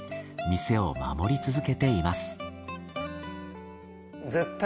店を守り続けています。